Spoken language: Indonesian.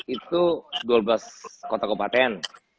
itu dua belas kota kepaten